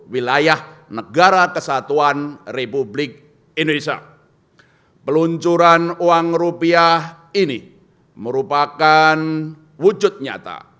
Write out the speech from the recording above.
wilayah negara kesatuan republik indonesia peluncuran uang rupiah ini merupakan wujud nyata